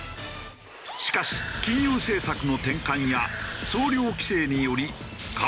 しかし金融政策の転換や総量規制により。